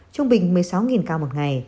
trung bình một mươi sáu ca một ngày